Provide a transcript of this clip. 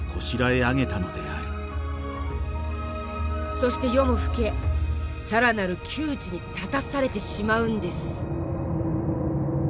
そして夜も更け更なる窮地に立たされてしまうんです。